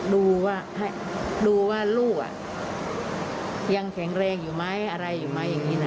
ดูว่ารูอ่ะยังแข็งแรงอยู่ไหมอะไรอยู่ไหม